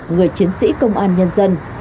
người chiến sĩ công an nhân dân